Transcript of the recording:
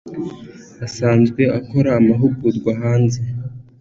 asanzwe akora amahugurwa hanze